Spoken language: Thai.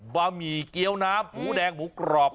บะหมี่เกี้ยวน้ำหมูแดงหมูกรอบ